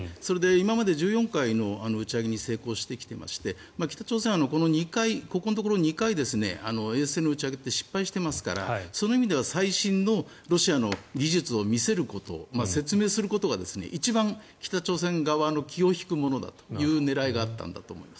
今まで１４回の打ち上げに成功してきていまして北朝鮮は、ここのところ２回衛星の打ち上げに失敗していますからその意味では最新のロシアの技術を見せること説明することが一番北朝鮮側の気を引くものだという狙いがあったんだと思います。